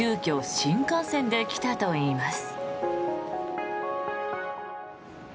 新幹線で来たといいます。